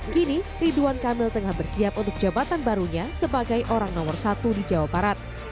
kini ridwan kamil tengah bersiap untuk jabatan barunya sebagai orang nomor satu di jawa barat